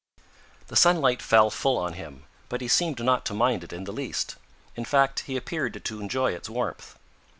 The sunlight fell full on him, but he seemed not to mind it in the least. In fact, he appeared to enjoy its warmth.